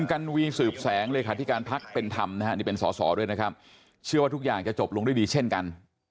หรือเพื่อประโยชน์ของภาคกรรมเมืองกันแน่